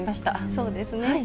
そうですね。